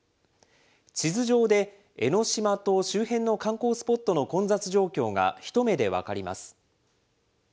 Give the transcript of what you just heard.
地図上で、江の島と周辺の観光スポットの混雑状況が、一目で分かります。